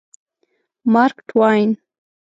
مارک ټواین